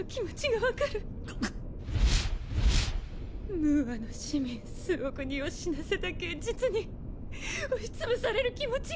ムーアの市民数億人を死なせた現実に押し潰される気持ちが。